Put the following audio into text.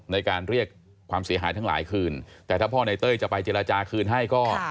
ในการเรียกความเสียหายทั้งหลายคืนแต่ถ้าพ่อในเต้ยจะไปเจรจาคืนให้ก็